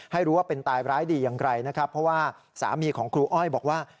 ให้รู้ว่าเป็นตายร้ายดีอย่างไรนะครับเพราะว่าสามีของครูอ้อยบอกว่า